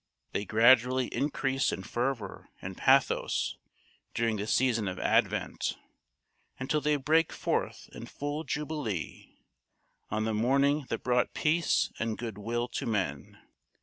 They gradually increase in fervour and pathos during the season of Advent, until they break forth in full jubilee on the morning that brought peace and good will to men.